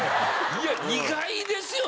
いや意外ですよ